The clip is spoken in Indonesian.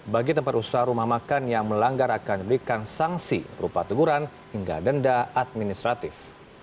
bagi tempat usaha rumah makan yang melanggar akan diberikan sanksi rupa teguran hingga denda administratif